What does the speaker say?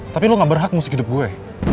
tapi lo gak berhak musik hidup gue